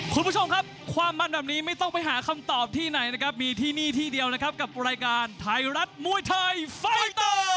คุณผู้ชมครับความมันแบบนี้ไม่ต้องไปหาคำตอบที่ไหนนะครับมีที่นี่ที่เดียวนะครับกับรายการไทยรัฐมวยไทยไฟเตอร์